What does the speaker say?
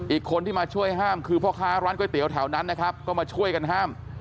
อีกคนที่มาช่วยห้ามคือพ่อค้าร้านก๋วยเตี๋ยวแถวนั้นนะครับก็มาช่วยกันห้าม